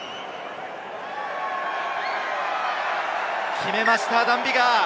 決めました、ダン・ビガー！